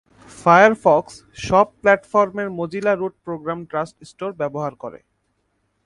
Firefox সব প্ল্যাটফর্মের Mozilla root program trust store ব্যবহার করে।